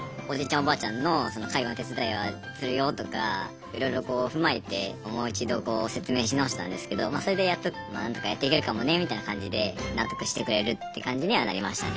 おばあちゃんの介護の手伝いはするよとかいろいろこう踏まえてもう一度こう説明し直したんですけどそれでやっと「まあ何とかやっていけるかもね」みたいな感じで納得してくれるって感じにはなりましたね。